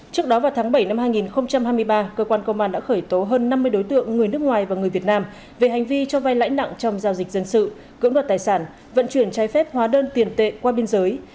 trước đó vào tháng bảy năm hai nghìn hai mươi ba cơ quan công an đã khởi tố hơn năm mươi đối tượng người nước ngoài và người việt nam về hành vi cho vai lãi nặng trong giao dịch dân sự cưỡng đoạt tài sản vận chuyển trái phép hóa đơn tiền tệ qua biên giới